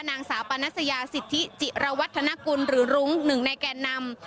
นางสาวปานัสยาสิทธิจิระวัฒนกุลหรือรุ้งหนึ่งในแก่นำ